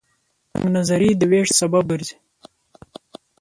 تنگ نظرۍ د وېش سبب ګرځي.